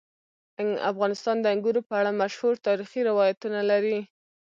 افغانستان د انګورو په اړه مشهور تاریخي روایتونه لري.